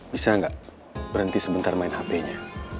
boleh ga berhenti sebentar main hp nya